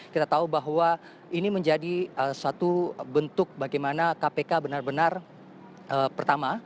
kita tahu bahwa ini menjadi suatu bentuk bagaimana kpk benar benar pertama